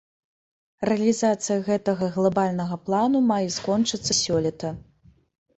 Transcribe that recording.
Рэалізацыя гэтага глабальнага плану мае скончыцца сёлета.